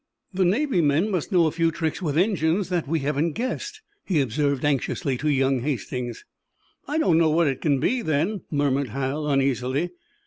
"The Navy men must know a few tricks with engines that we haven't guessed," he observed, anxiously, to young Hastings. "I don't know what it can be, then," murmured Hal, uneasily.